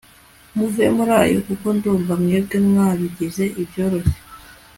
muve murayo kuko ndumva mwebwe mwabigize ibyoroshye